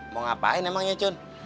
mau ngapain emangnya uncun